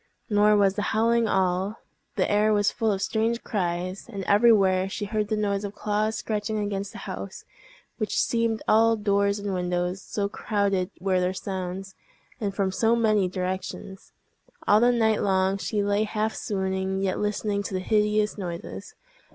Nor was the howling all; the air was full of strange cries; and everywhere she heard the noise of claws scratching against the house, which seemed all doors and windows, so crowded were the sounds, and from so many directions. All the night long she lay half swooning, yet listening to the hideous noises.